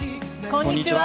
こんにちは。